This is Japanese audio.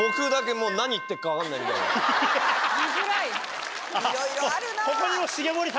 いろいろあるな。